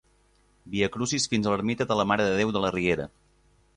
Viacrucis fins a l'ermita de la Mare de Déu de la Riera.